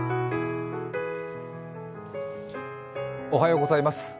おはようございます。